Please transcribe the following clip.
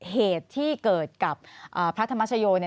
เหตุที่เกิดกับพระธรรมชโย